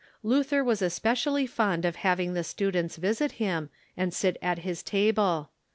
Lutlier Avas especially fond of having the students visit him, and sit at his table.